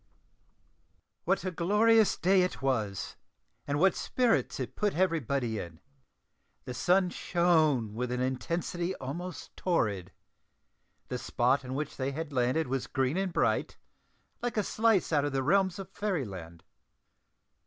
What a glorious day it was, and what spirits it put everybody in! The sun shone with an intensity almost torrid; the spot on which they had landed was green and bright, like a slice out of the realms of Fairy land.